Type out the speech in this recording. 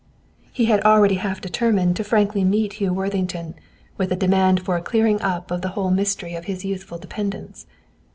He had already half determined to frankly meet Hugh Worthington with a demand for a clearing up of the whole mystery of his youthful dependence.